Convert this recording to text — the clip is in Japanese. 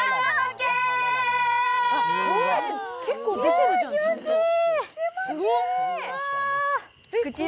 続く気持ちいい。